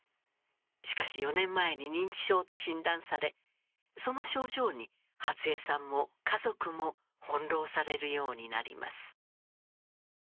しかし４年前に認知症と診断されその症状に初江さんも家族も翻弄されるようになります。